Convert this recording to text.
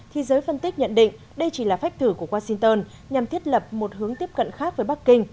thì giới phân tích nhận định đây chỉ là phách thử của washington nhằm thiết lập một hướng tiếp cận khác với bắc kinh